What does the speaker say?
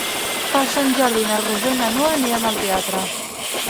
Per Sant Jordi na Rosó i na Noa aniran al teatre.